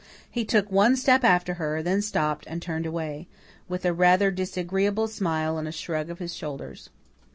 He took one step after her, then stopped and turned away, with a rather disagreeable smile and a shrug of his shoulders.